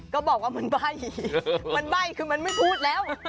ก็บอกว่ามันใบ้มันใบ้คือมันไม่พูดแล้ว